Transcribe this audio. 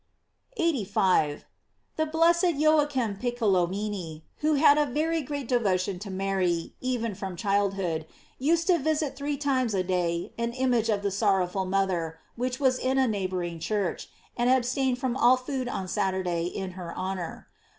* 85. — The blessed Joachim Piccolomini, who had a very great devotion to Mary, even from childhood, used to visit three times a day an image of the sorrowful mother, which was in a neighboring church, and abstained from all food on Saturday in her honor.